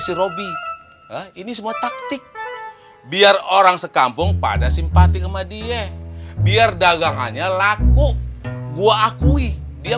si robi ini semua taktik biar orang sekampung pada simpati sama dia biar dagangannya laku gua akui dia